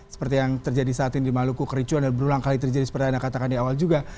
seperti yang terjadi saat ini di maluku kericuan dan berulang kali terjadi seperti yang anda katakan di awal juga